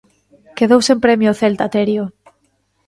Quedou sen premio o Celta, Terio.